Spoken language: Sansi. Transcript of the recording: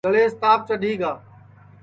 گݪیس تاپ چڈھی گا